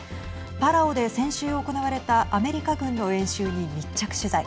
パラオで先週行われたアメリカ軍の演習に密着取材。